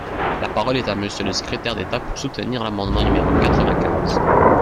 La parole est à Monsieur le secrétaire d’État, pour soutenir l’amendement numéro quatre-vingt-quinze.